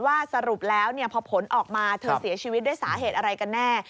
สรุปแล้วพอผลออกมาเธอเสียชีวิตด้วยสาเหตุอะไรกันแน่